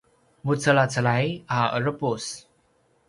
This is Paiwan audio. vucelacelay a ’erepus